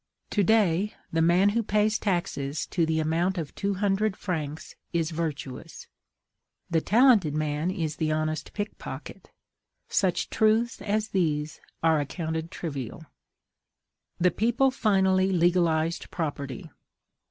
To day, the man who pays taxes to the amount of two hundred francs is virtuous; the talented man is the honest pickpocket: such truths as these are accounted trivial. The people finally legalized property.